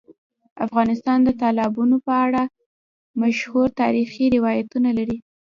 افغانستان د تالابونو په اړه مشهور تاریخی روایتونه لري.